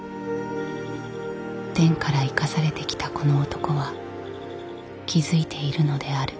天から生かされてきたこの男は気付いているのである。